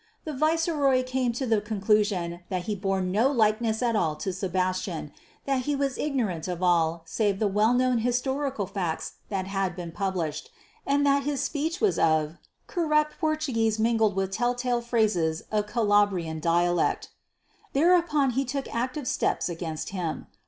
The Viceroy came to the conclusion that he bore no likeness at all to Sebastian, that he was ignorant of all save the well known historical facts that had been published, and that his speech was of "corrupt Portuguese mingled with tell tale phrases of Calabrian dialect." Thereupon he took active steps against him.